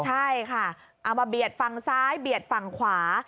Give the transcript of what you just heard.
ใช่ค่ะเอามาเบียดฝั่งซ้ายเบียดฝั่งขวา